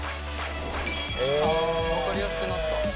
分かりやすくなった。